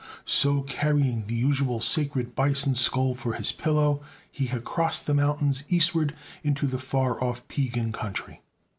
So, carrying the usual sacred bison skull for his pillow, he had crossed the mountains eastward into the far off Piegan country.